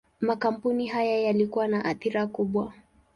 Makampuni haya yalikuwa na athira kubwa.